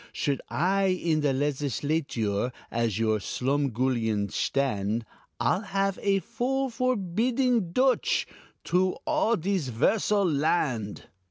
Should I in the Legisladure As your slumgullion shtand, I'll have a bill forbidding Dutch Troo all dis 'versal land.